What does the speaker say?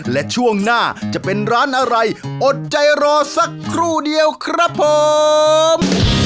และช่วงหน้าจะเป็นร้านอะไรอดใจรอสักครู่เดียวครับผม